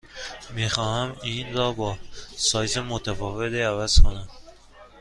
می خواهم این را با سایز متفاوتی عوض کنم.